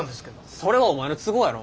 それはお前の都合やろ。